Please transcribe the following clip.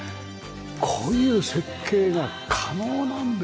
こういう設計が可能なんですね！